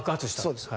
そうです。